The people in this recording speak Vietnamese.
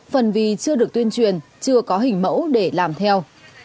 phần vì chưa được tuyên truyền chưa có hình mẫu để làm theo